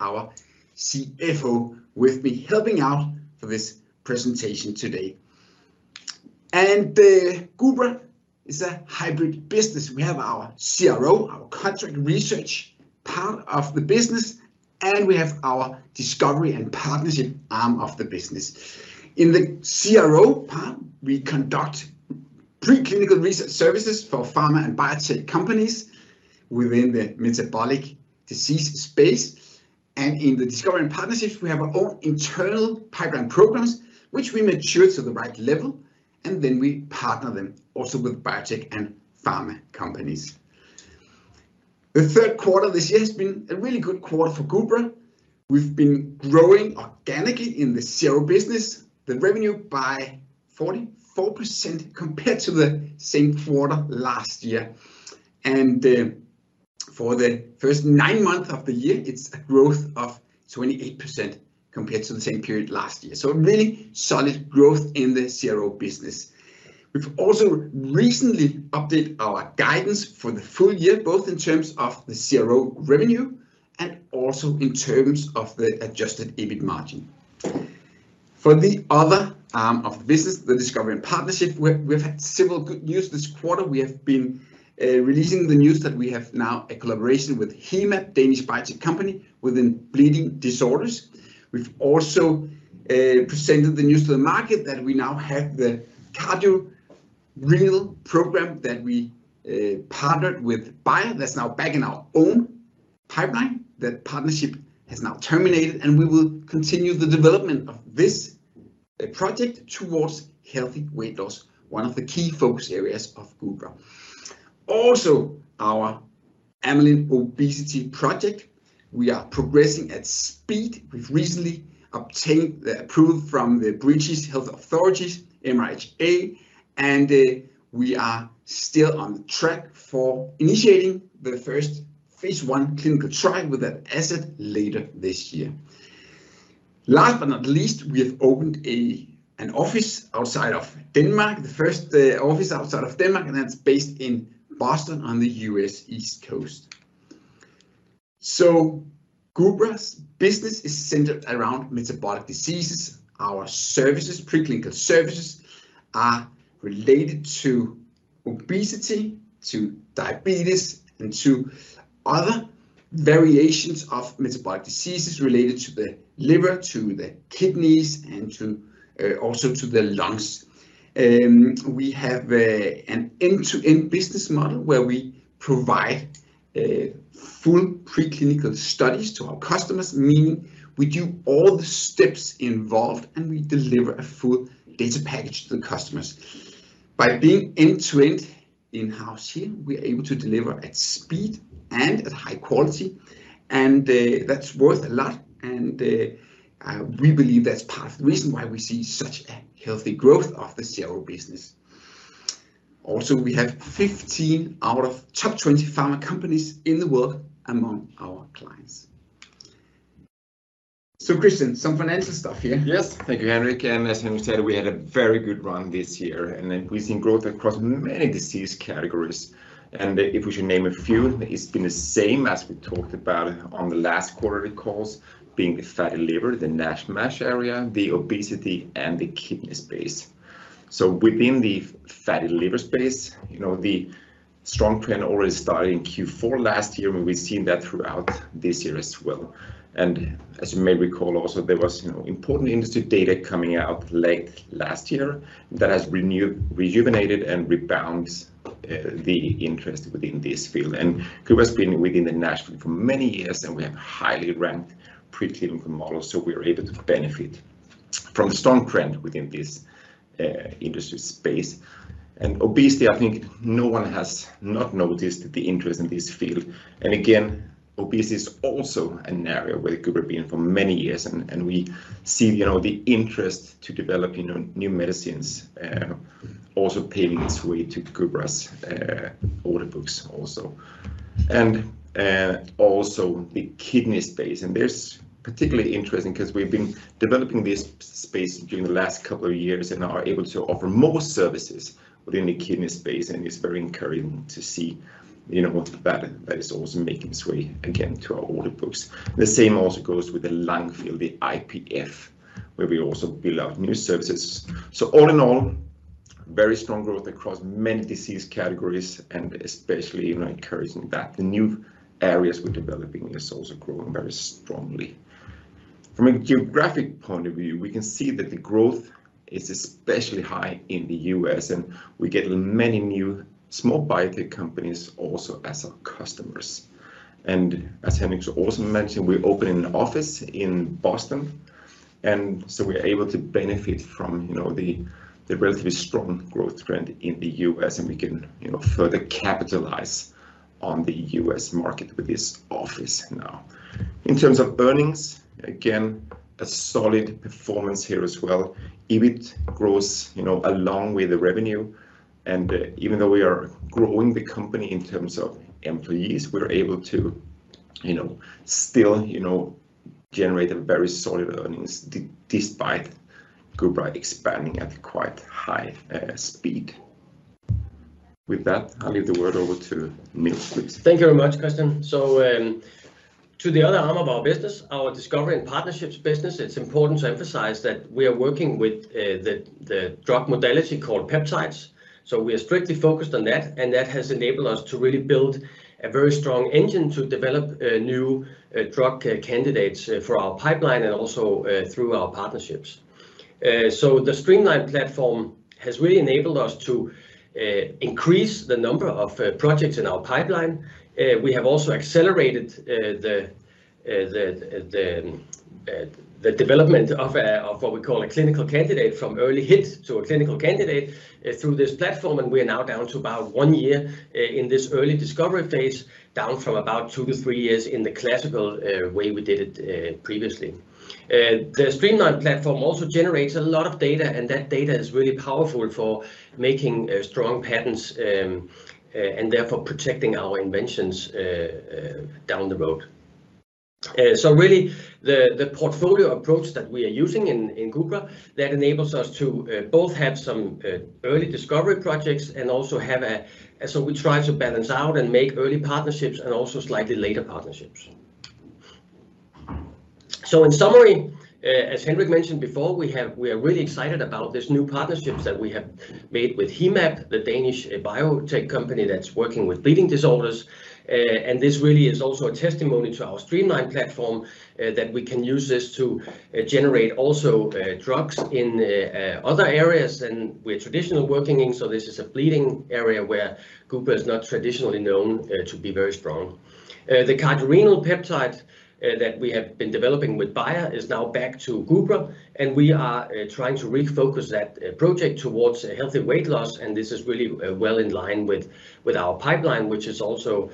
Our CFO with me, helping out for this presentation today. Gubra is a hybrid business. We have our CRO, our contract research part of the business, and we have our discovery and partnership arm of the business. In the CRO part, we conduct pre-clinical research services for pharma and biotech companies within the metabolic disease space. In the discovery, and partnerships, we have our own internal pipeline programs, which we mature to the right level, and then we partner them also with biotech and pharma companies. The third quarter this year has been a really good quarter for Gubra. We've been growing organically in the CRO business, the revenue by 44% compared to the same quarter last year. For the first nine months of the year, it's a growth of 28% compared to the same period last year. So a really solid growth in the CRO business. We've also recently updated our guidance for the full year, both in terms of the CRO revenue, and also in terms of the adjusted EBIT margin. For the other arm of the business, the discovery and partnership, we've had several good news this quarter. We have been releasing the news that we have now a collaboration with Hemab, Danish biotech company, within bleeding disorders. We've also presented the news to the market that we now have the cardiorenal program that we partnered with Bayer, that's now back in our own pipeline. That partnership has now terminated, and we will continue the development of this project towards healthy weight loss, one of the key focus areas of Gubra. Also, our Amylin obesity project, we are progressing at speed. We've recently obtained the approval from the British Health Authorities, MHRA, and we are still on track for initiating the first phase I clinical trial with that asset later this year. Last but not least, we have opened an office outside of Denmark, the first office outside of Denmark, and that's based in Boston, on the U.S. East Coast. So Gubra's business is centered around metabolic diseases. Our services, pre-clinical services, are related to obesity, to diabetes, and to other variations of metabolic diseases related to the liver, to the kidneys, and also to the lungs. We have an end-to-end business model, where we provide full pre-clinical studies to our customers, meaning we do all the steps involved, and we deliver a full data package to the customers. By being end-to-end in-house here, we're able to deliver at speed, and at high quality, and, that's worth a lot, and, we believe that's part of the reason why we see such a healthy growth of the CRO business. Also, we have 15 out of top 20 pharma companies in the world among our clients. So, Christian, some financial stuff here. Yes. Thank you, Henrik, and as Henrik said, we had a very good run this year, and then we've seen growth across many disease categories. If we should name a few, it's been the same as we talked about on the last quarter calls, being the fatty liver, the NASH/MASH area, the obesity, and the kidney space. So within the fatty liver space, you know, the strong trend already started in Q4 last year, and we've seen that throughout this year as well. And as you may recall, also, there was, you know, important industry data coming out late last year that has rejuvenated and rebounds the interest within this field. And Gubra has been within the NASH for many years, and we have highly ranked pre-clinical models, so we're able to benefit from the strong trend within this industry space. Obesity, I think no one has not noticed the interest in this field. Again, obesity is also an area where Gubra been for many years, and we see, you know, the interest to develop, you know, new medicines also paving its way to Gubra's order books also. Also the kidney space, and this is particularly interesting 'cause we've been developing this space during the last couple of years, and are able to offer more services within the kidney space, and it's very encouraging to see, you know, that is also making its way again to our order books. The same also goes with the lung field, the IPF, where we also build out new services. So all in all, very strong growth across many disease categories, and especially, you know, encouraging that the new areas we're developing is also growing very strongly. From a geographic point of view, we can see that the growth is especially high in the U.S., and we get many new small biotech companies also as our customers. And as Henrik also mentioned, we're opening an office in Boston, and so we're able to benefit from, you know, the relatively strong growth trend in the U.S., and we can, you know, further capitalize on the U.S. market with this office now. In terms of earnings, again, a solid performance here as well. EBIT grows, you know, along with the revenue, and even though we are growing the company in terms of employees, we're able to, you know, still, you know, generate a very solid earnings, despite Gubra expanding at quite high speed. ... With that, I'll leave the word over to Niels, please. Thank you very much, Christian. So, to the other arm of our business, our discovery and partnerships business, it's important to emphasize that we are working with the drug modality called peptides. So we are strictly focused on that, and that has enabled us to really build a very strong engine to develop new drug candidates for our pipeline and also through our partnerships. So the streamlined platform has really enabled us to increase the number of projects in our pipeline. We have also accelerated the development of what we call a clinical candidate, from early hit to a clinical candidate, through this platform. And we are now down to about one year in this early discovery phase, down from about two to three years in the classical way we did it previously. The streamlined platform also generates a lot of data, and that data is really powerful for making strong patents, and therefore protecting our inventions down the road. So really, the portfolio approach that we are using in Gubra that enables us to both have some early discovery projects, and also have so we try to balance out and make early partnerships, and also slightly later partnerships. So in summary, as Henrik mentioned before, we have we are really excited about this new partnerships that we have made with Hemab, the Danish biotech company that's working with bleeding disorders. This really is also a testimony to our streamlined platform that we can use this to generate also drugs in other areas than we're traditionally working in. So this is a bleeding-edge area where Gubra is not traditionally known to be very strong. The cardiorenal peptide that we have been developing with Bayer is now back to Gubra, and we are trying to refocus that project towards a healthy weight loss. This is really well in line with our pipeline, which is also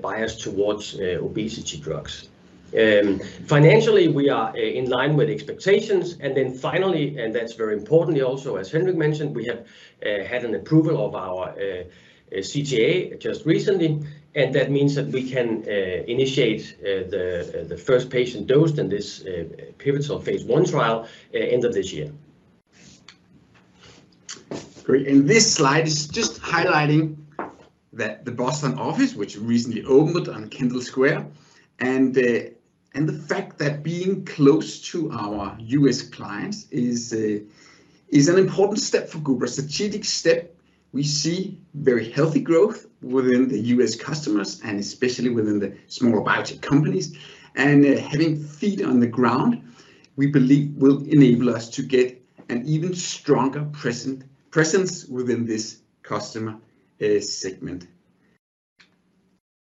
biased towards obesity drugs. Financially, we are in line with expectations. And then finally, and that's very importantly also, as Henrik mentioned, we have had an approval of our CTA just recently, and that means that we can initiate the first patient dosed in this pivotal phase I trial end of this year. Great. And this slide is just highlighting that the Boston office, which recently opened on Kendall Square, and the fact that being close to our U.S. clients is an important step for Gubra, a strategic step. We see very healthy growth within the U.S. customers and especially within the smaller biotech companies. And having feet on the ground, we believe will enable us to get an even stronger presence within this customer segment.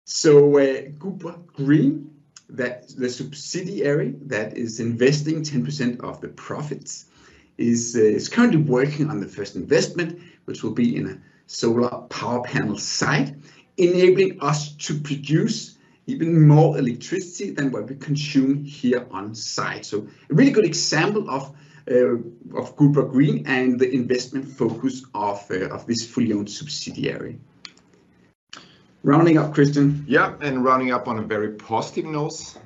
So Gubra Green, that the subsidiary that is investing 10% of the profits, is currently working on the first investment, which will be in a solar power panel site, enabling us to produce even more electricity than what we consume here on site. So a really good example of Gubra Green and the investment focus of this fully owned subsidiary. Wrapping up, Christian. Yeah, and wrapping up on a very positive note.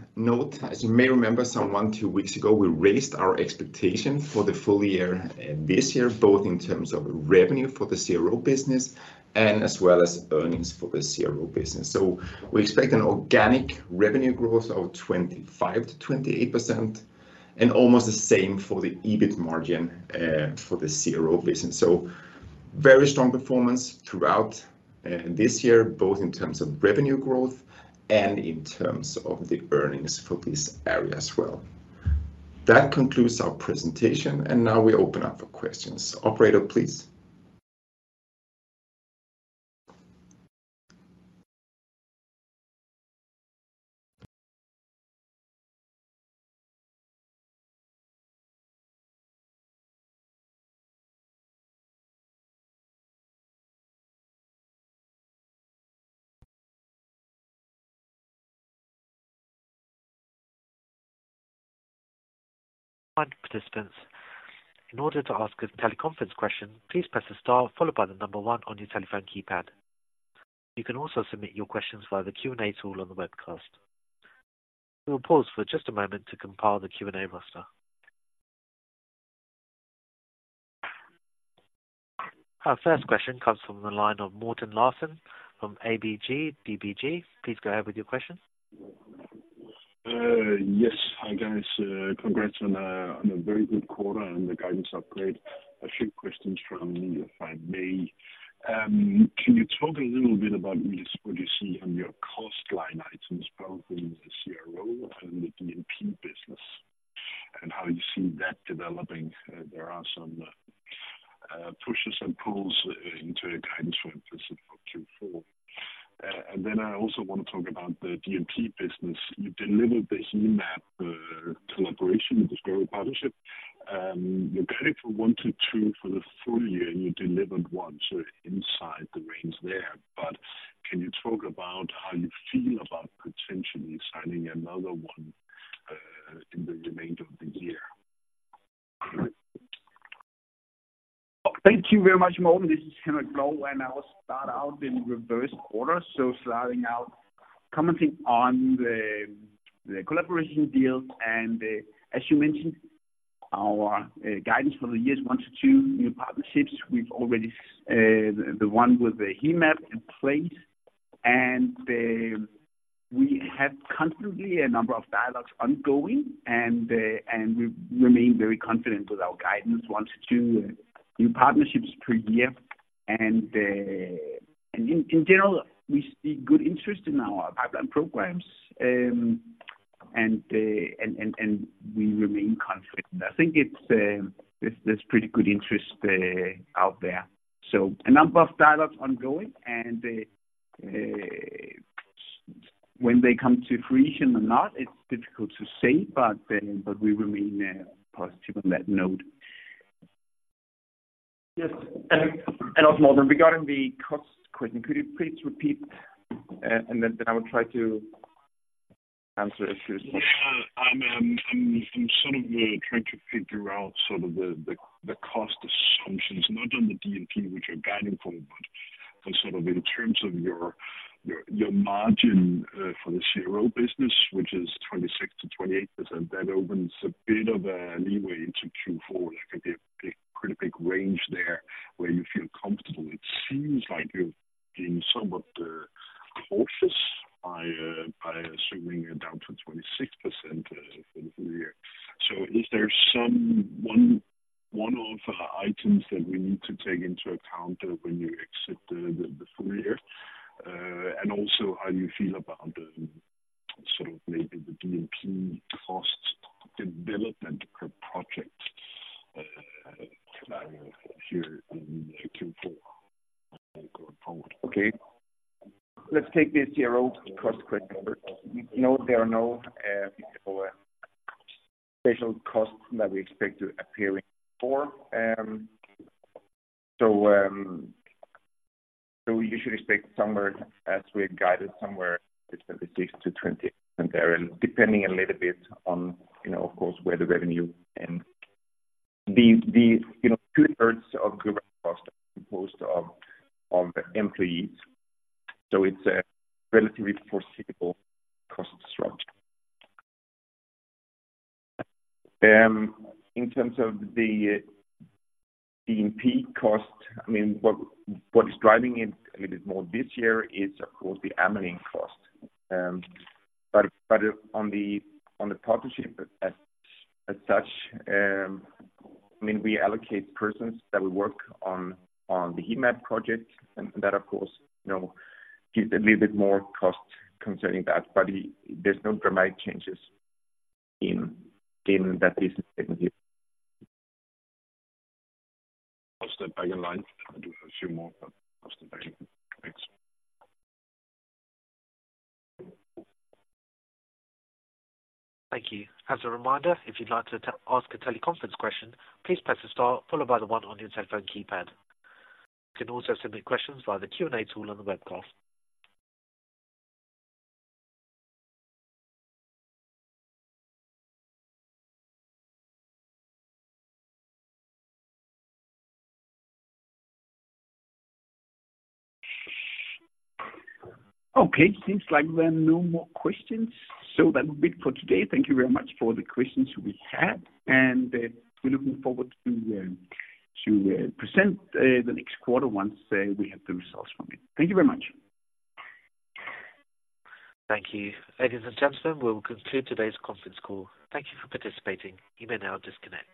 As you may remember, one or two weeks ago, we raised our expectation for the full year, this year, both in terms of revenue for the CRO business, and as well as earnings for the CRO business. So we expect an organic revenue growth of 25%-28%, and almost the same for the EBIT margin, for the CRO business. So very strong performance throughout, this year, both in terms of revenue growth and in terms of the earnings for this area as well. That concludes our presentation, and now we open up for questions. Operator, please. Hi, participants. In order to ask a teleconference question, please press the star followed by the number one on your telephone keypad. You can also submit your questions via the Q&A tool on the webcast. We will pause for just a moment to compile the Q&A roster. Our first question comes from the line of Morten Larsen from ABG Sundal Collier. Please go ahead with your question. Yes. Hi, guys. Congrats on a very good quarter and the guidance upgrade. A few questions from me, if I may. Can you talk a little bit about what you see on your cost line items, both in the CRO and the D&P business, and how you see that developing? There are some pushes and pulls into your guidance for Q4. And then I also want to talk about the D&P business. You delivered this new map collaboration, discovery partnership. You guided for one to two for the full year, and you delivered 1, so inside the range there. But can you talk about how you feel about potentially signing another one in the remainder of the year? Thank you very much, Morten. This is Henrik Blou, and I will start out in reverse order. So starting out, commenting on the collaboration deal, and as you mentioned-... our guidance for the years one to two new partnerships. We've already the one with the Hemab in place, and we have constantly a number of dialogues ongoing, and we remain very confident with our guidance, one to two new partnerships per year. And in general, we see good interest in our pipeline programs, and we remain confident. I think it's there's pretty good interest out there. So a number of startups ongoing, and when they come to fruition or not, it's difficult to say, but we remain positive on that note. Yes, and also regarding the cost question, could you please repeat, and then I will try to answer it too? Yeah. I'm sort of trying to figure out sort of the cost assumptions, not on the D&P, which are guiding for, but sort of in terms of your margin for the CRO business, which is 26%-28%. That opens a bit of a leeway into Q4. I think a pretty big range there where you feel comfortable. It seems like you're being somewhat cautious by assuming you're down to 26% for the full year. So is there some one-off items that we need to take into account when you accept the full year? And also, how you feel about sort of maybe the D&P cost development per project here in Q4 going forward? Okay. Let's take the CRO cost quick number. No, there are no special costs that we expect to appear in Q4. We usually expect somewhere as we had guided somewhere between 26%-28% there, and depending a little bit on, you know, of course, where the revenue and the, the, you know, two-thirds of cost are composed of, of employees. So it's a relatively foreseeable cost structure. In terms of the D&P cost, I mean, what is driving it a little more this year is, of course, the Amylin cost. But on the partnership as such, I mean, we allocate persons that will work on the Hemab project, and that of course, you know, gives a little bit more cost concerning that, but there's no dramatic changes in that business segment here. I'll step back in line. I do have a few more, but I'll step back. Thanks. Thank you. As a reminder, if you'd like to ask a teleconference question, please press the star followed by the one on your telephone keypad. You can also submit questions via the Q&A tool on the webcast. Okay, seems like there are no more questions. So that will be it for today. Thank you very much for the questions we had, and we're looking forward to present the next quarter once we have the results from it. Thank you very much. Thank you. Ladies and gentlemen, we will conclude today's conference call. Thank you for participating. You may now disconnect.